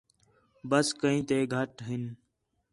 بس کئین تے گھٹ ہِن